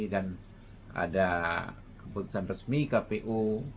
dan ada keputusan resmi kpu